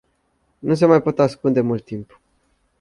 Nu se mai pot ascunde mult timp.